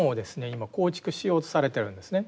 今構築しようとされてるんですね。